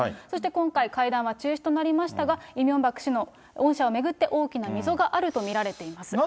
そして今回、会談は中止となりましたが、イ・ミョンバク氏の恩赦を巡って、大きな溝があると見られています。